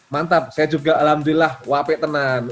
mantap saya juga alhamdulillah wape tenan